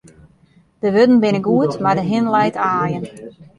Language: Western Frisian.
De wurden binne goed, mar de hin leit aaien.